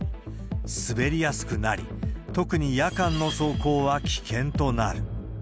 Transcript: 滑りやすくなり、特に夜間の走行は危険となる。